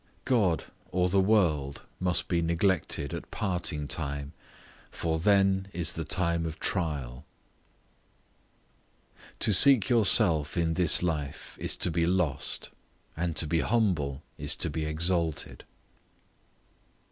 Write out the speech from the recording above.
God or the world must be neglected at parting time, for then is the time of trial. To seek yourself in this life is to be lost; and to be humble is to be exalted.